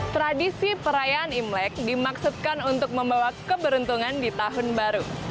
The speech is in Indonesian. tradisi perayaan imlek dimaksudkan untuk membawa keberuntungan di tahun baru